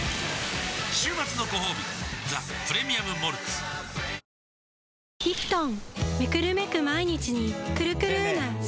週末のごほうび「ザ・プレミアム・モルツ」やさしいマーン！！